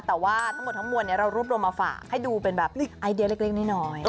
แต่ว่าทั้งหมดทั้งมวลเรารวบรวมมาฝากให้ดูเป็นแบบไอเดียเล็กน้อย